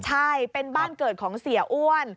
ใช่เป็นบ้านเกิดของเสียอ้วน